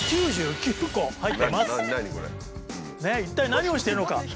一体何をしているのか。